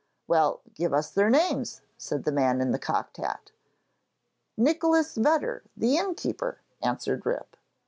'Well, give us their names?' said the man in the cocked hat. 'Nicholas Vedder, the innkeeper,' answered Rip.